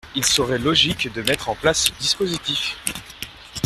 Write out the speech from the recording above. Il serait logique de mettre en place ce dispositif.